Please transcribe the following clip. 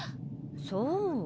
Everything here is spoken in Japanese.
そう。